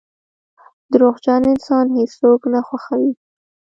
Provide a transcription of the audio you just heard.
• دروغجن انسان هیڅوک نه خوښوي.